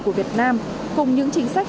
của việt nam cùng những chính sách